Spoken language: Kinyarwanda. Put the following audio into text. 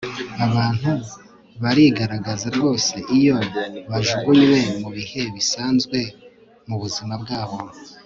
abantu barigaragaza rwose iyo bajugunywe mu bihe bisanzwe mu buzima bwabo